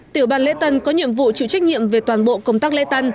tiểu ban lễ tân có nhiệm vụ chịu trách nhiệm về toàn bộ công tác lễ tân